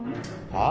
はあ？